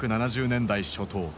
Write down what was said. １９７０年代初頭。